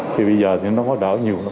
thì bây giờ thì nó có đỡ nhiều lắm